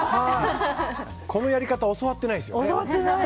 このやり方教わってないですよね。